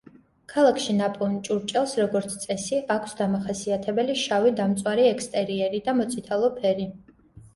ქალაქში ნაპოვნ ჭურჭელს, როგორც წესი, აქვს დამახასიათებელი შავი, დამწვარი ექსტერიერი და მოწითალო ფერი.